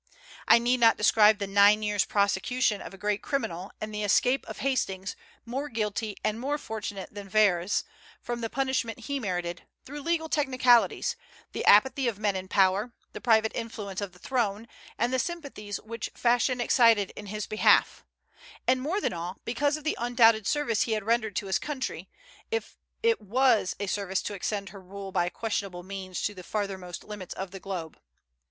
I need not describe the nine years' prosecution of a great criminal, and the escape of Hastings, more guilty and more fortunate than Verres, from the punishment he merited, through legal technicalities, the apathy of men in power, the private influence of the throne, and the sympathies which fashion excited in his behalf, and, more than all, because of the undoubted service he had rendered to his country, if it was a service to extend her rule by questionable means to the farthermost limits of the globe.